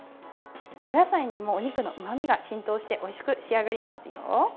お野菜にもお肉のうまみが浸透しておいしく仕上がりますよ。